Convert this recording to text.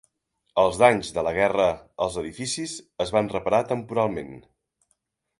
Els danys de la guerra als edificis es van reparar temporalment.